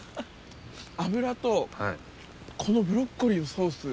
脂とこのブロッコリーのソース